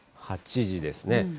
８時ですね。